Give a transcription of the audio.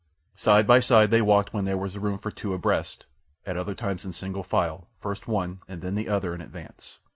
Side by side they walked when there was room for two abreast. At other times in single file, first one and then the other in advance.